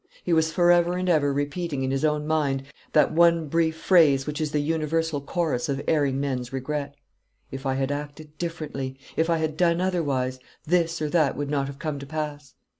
He was for ever and ever repeating in his own mind that one brief phase which is the universal chorus of erring men's regret: "If I had acted differently, if I had done otherwise, this or that would not have come to pass."